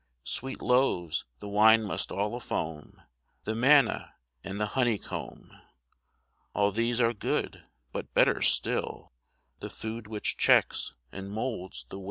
Sweet loaves, the wine must all afoam, The manna, and the honey comb, All these are good, but better still The food which checks and moulds the will.